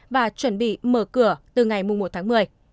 và chuẩn bị mở cửa từ ngày một tháng một mươi